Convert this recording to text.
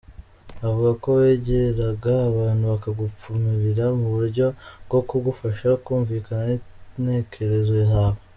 Avuga ko wegera abantu bakagupfumurira mu buryo bwo kugufasha kumvikana n’intekerezo zawe.